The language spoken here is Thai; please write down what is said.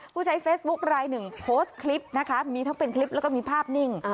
ผู้ใช้เฟซบุ๊คลายหนึ่งโพสต์คลิปนะคะมีทั้งเป็นคลิปแล้วก็มีภาพนิ่ง